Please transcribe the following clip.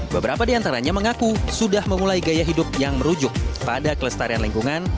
beberapa di antaranya mengaku sudah memulai gaya hidup yang merujuk pada kelestarian lingkungan